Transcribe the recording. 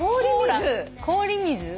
氷水？